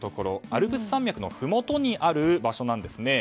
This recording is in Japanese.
アルプス山脈のふもとにある場所なんですね。